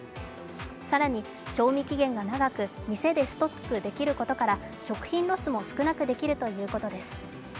更に賞味期限が長く、店でストックできることから食品ロスも少なくできるということです。